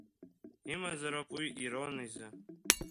Имазароуп уи ирон изы…